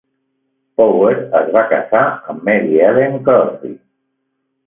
Power es va casar amb Mary Ellen Crosbie.